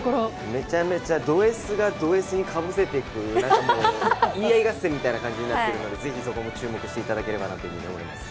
めちゃめちゃドＳがドＳにかぶせていく言い合い合戦みたいになってるのでぜひそこも注目していただけたらと思います。